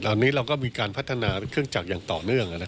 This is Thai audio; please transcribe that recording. ตอนนี้เราก็มีการพัฒนาเป็นเครื่องจักรอย่างต่อเนื่อง